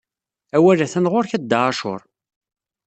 Awal a-t-an ɣur-k a Dda ɛacur.